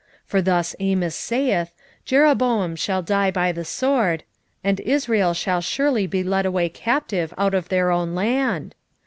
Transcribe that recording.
7:11 For thus Amos saith, Jeroboam shall die by the sword, and Israel shall surely be led away captive out of their own land.